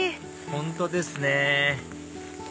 本当ですね